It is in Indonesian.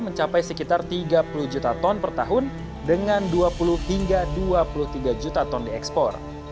mencapai sekitar tiga puluh juta ton per tahun dengan dua puluh hingga dua puluh tiga juta ton diekspor